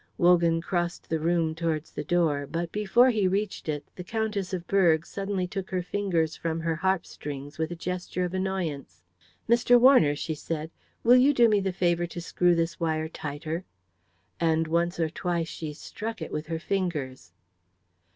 Wogan crossed the room towards the door; but before he reached it, the Countess of Berg suddenly took her fingers from her harp strings with a gesture of annoyance. "Mr. Warner," she said, "will you do me the favour to screw this wire tighter?" And once or twice she struck it with her fingers.